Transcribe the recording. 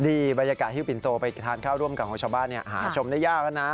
บรรยากาศฮิ้วปินโตไปทานข้าวร่วมกันของชาวบ้านหาชมได้ยากแล้วนะ